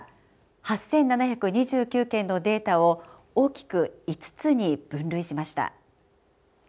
８，７２９件のデータを大きく５つに分類しました。